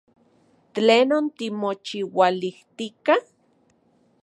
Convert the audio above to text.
¿Tlenon timochiuilijtika?